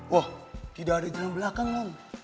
wah tidak ada jalan belakang kan